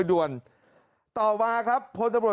มันตายมาแล้วมันตายมาแล้ว